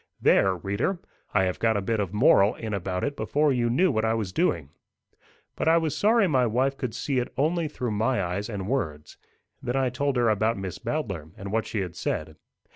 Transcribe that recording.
There, reader! I have got a bit of a moral in about it before you knew what I was doing. But I was sorry my wife could see it only through my eyes and words. Then I told her about Miss Bowdler, and what she had said.